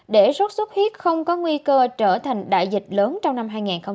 để sốt xuất huyết không có nguy cơ trở thành đại dịch lớn trong năm hai nghìn hai mươi